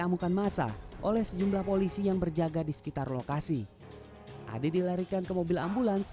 amukan masa oleh sejumlah polisi yang berjaga di sekitar lokasi ade dilarikan ke mobil ambulans